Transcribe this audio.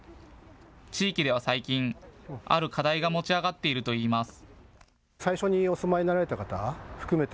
地域では最近、ある課題が持ち上がっているといいます。